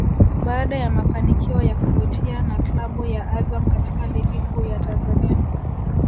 Baada ya mafanikio ya kuvutia na klabu ya Azam katika Ligi Kuu ya Tanzania